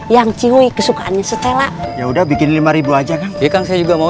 yang cihuy kesukaannya setelah ya udah bikin lima ribu aja kan ya kan saya juga mau